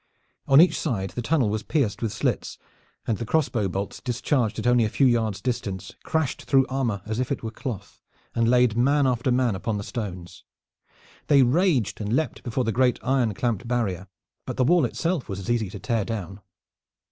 On each side the tunnel was pierced with slits, and the crossbow bolts discharged at only a few yards' distance crashed through armor as if it were cloth and laid man after man upon the stones. They raged and leaped before the great iron clamped barrier, but the wall itself was as easy to tear down.